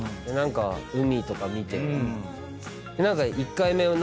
海とか見て。